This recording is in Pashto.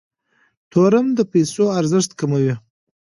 تورم د پیسو ارزښت کموي.